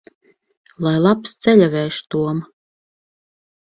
Lai labs ceļavējš, Tom!